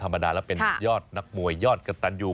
ธรรมดาแล้วเป็นยอดนักมวยยอดกระตันยู